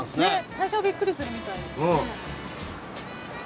最初はびっくりするみたいですね。